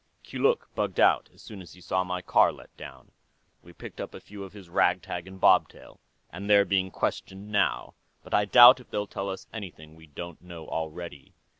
"Keeluk bugged out as soon as he saw my car let down. We picked up a few of his ragtag and bobtail, and they're being questioned now, but I doubt if they'll tell us anything we don't know already.